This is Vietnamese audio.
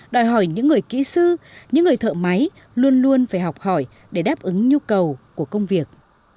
đòi hỏi những người kỹ sư những người thợ máy luôn luôn phải học hỏi để đáp ứng nhu cầu của công việc